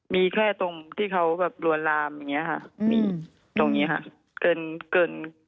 มีแค่ตรงที่เขารวรรมอย่างนี้ค่ะมีตรงนี้ค่ะ